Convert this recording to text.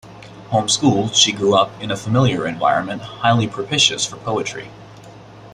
Home schooled, she grew up in a familiar environment highly propitious for poetry.